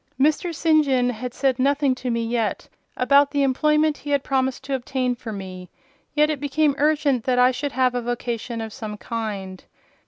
Mr. St. John had said nothing to me yet about the employment he had promised to obtain for me; yet it became urgent that I should have a vocation of some kind.